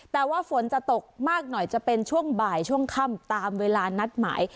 แต่ว่าฝนจะตกมากหน่อยจะเป็นช่วงบ่ายช่วงค่ำตามเวลานัดหมาย